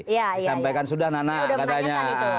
disampaikan sudah nana katanya